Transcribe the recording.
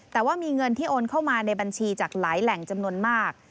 แต่ว่ามีเงินที่โอนเข้ามาในบัญชีจากหลายแหล่งจำนวนมาก